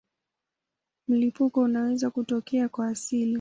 Mlipuko unaweza kutokea kwa asili.